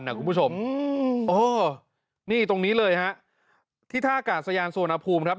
คุณผู้ชมเออนี่ตรงนี้เลยฮะที่ท่ากาศยานสุวรรณภูมิครับ